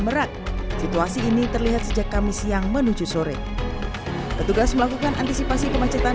merak situasi ini terlihat sejak kamis siang menuju sore petugas melakukan antisipasi kemacetan